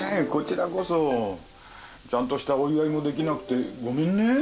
ちゃんとしたお祝いもできなくてごめんね。